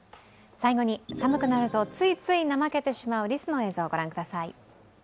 最後に、寒くなるとついつい怠けてしまうリスの映像御覧ください。